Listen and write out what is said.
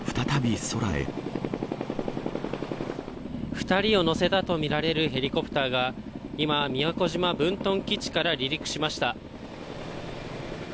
２人を乗せたと見られるヘリコプターが今、宮古島分屯基地から離陸しました。